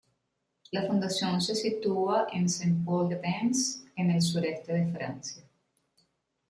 La fundación se sitúa en Saint-Paul-de-Vence, en el sureste de Francia.